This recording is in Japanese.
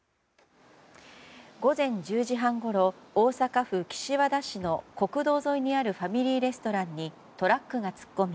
午前１０時半ごろ大阪府岸和田市の国道沿いにあるファミリーレストランにトラックが突っ込み